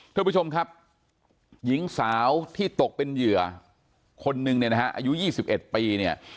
ทุกประชมครับหญิงสาวที่ตกเป็นเหยื่อคนนึงอายุยี่สิบเอ็ดปีเนี่ย